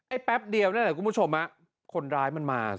แป๊บเดียวนั่นแหละคุณผู้ชมคนร้ายมันมา